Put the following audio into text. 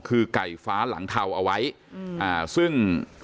คือไก่ฟ้าหลังเทาเอาไว้ซึ่ง